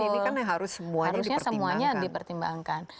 ini kan harusnya semuanya dipertimbangkan